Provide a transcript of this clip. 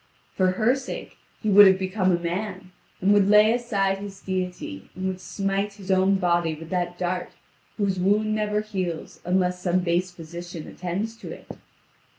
For her sake he would have become a man, and would lay aside his deity, and would smite his own body with that dart whose wound never heals unless some base physician attends to it.